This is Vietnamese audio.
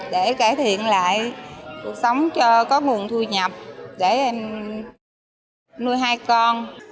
để cải thiện lại cuộc sống cho có nguồn thu nhập để em nuôi hai con